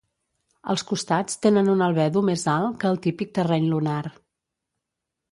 Els costats tenen un albedo més alt que el típic terreny lunar.